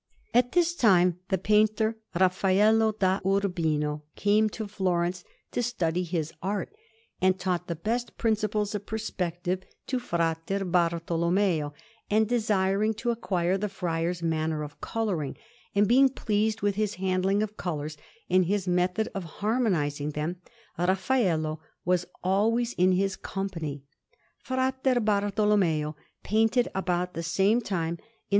At this time the painter Raffaello da Urbino came to Florence to study his art, and taught the best principles of perspective to Fra Bartolommeo; and desiring to acquire the friar's manner of colouring, and being pleased with his handling of colours and his method of harmonizing them, Raffaello was always in his company. Fra Bartolommeo painted about the same time, in S.